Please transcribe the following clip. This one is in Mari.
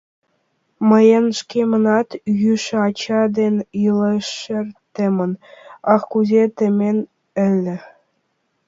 Мыйын шкемынат йӱшӧ ачай дене илен шер темын, ах, кузе темын ыле!..